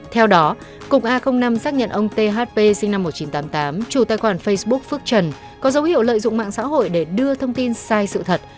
theo đó cục a năm xác nhận ông thp sinh năm một nghìn chín trăm tám mươi tám chủ tài khoản facebook phước trần có dấu hiệu lợi dụng mạng xã hội để đưa thông tin sai sự thật